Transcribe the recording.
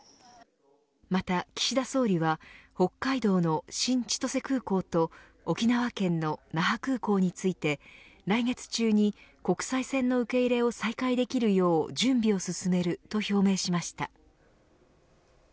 また、岸田総理は北海道の新千歳空港と沖縄県の那覇空港について来月中に国際線の受け入れを再開できるよう準備を進めると表明しました。